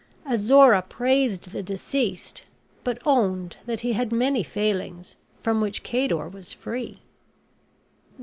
Azora praised the deceased; but owned that he had many failings from which Cador was free.